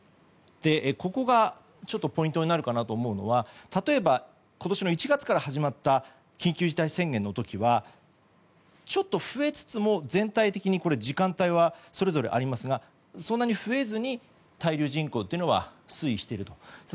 ここがポイントになるかと思うのは例えば今年の１月から始まった緊急事態宣言の時はちょっと増えつつも、全体的に時間帯はそれぞれありますがそんなに増えずに滞留人口は推移していると。